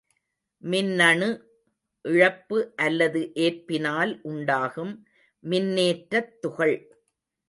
மின்னணு இழப்பு அல்லது ஏற்பினால் உண்டாகும் மின்னேற்றத் துகள்.